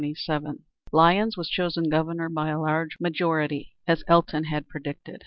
Lyons was chosen Governor by a large majority, as Elton had predicted.